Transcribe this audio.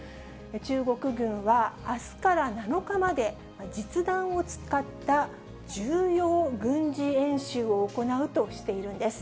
中国軍は、あすから７日まで実弾を使った重要軍事演習を行うとしているんです。